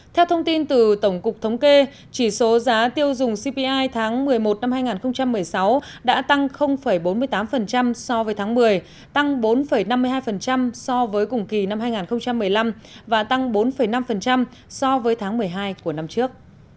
theo thông tin từ tổng cục thống kê chỉ số giá tiêu dùng cpi tháng một mươi một năm hai nghìn một mươi sáu đã tăng bốn mươi tám so với tháng một mươi tăng bốn năm mươi hai so với cùng kỳ năm hai nghìn một mươi năm và tăng bốn năm so với tháng một mươi hai của năm trước